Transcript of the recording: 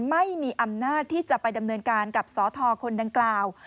ไม่มีอำนาจที่จะไปดำเนินการกับสทคนดังกล่าว